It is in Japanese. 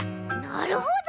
なるほど！